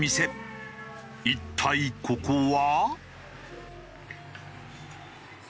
一体ここは？